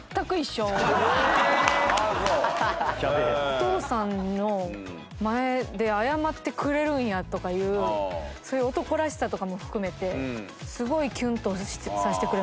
お父さんの前で謝ってくれるんやとかいうそういう男らしさとかも含めてすごいキュンとさせてくれましたね。